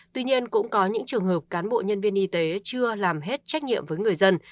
tuy nhiên cũng có những trường hợp cán bộ nhân viên y tế chưa làm hết trách nhiệm với người dân